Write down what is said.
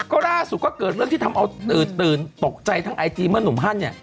ก็ล่าสุดก็เกิดเรื่องที่ทำเอาตื่นตกใจทั้งไอจีเมื่อนุ่มฮันเนี่ย